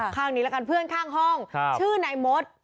ข้างนี้ละกันเพื่อนข้างห้องชื่อนายมด